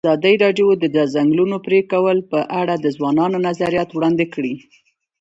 ازادي راډیو د د ځنګلونو پرېکول په اړه د ځوانانو نظریات وړاندې کړي.